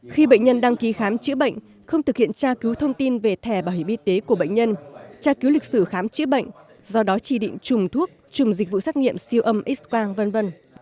khi bệnh nhân đăng ký khám chữa bệnh không thực hiện tra cứu thông tin về thẻ bảo hiểm y tế của bệnh nhân tra cứu lịch sử khám chữa bệnh do đó chỉ định trùng thuốc trùng dịch vụ xét nghiệm siêu âm x quang v v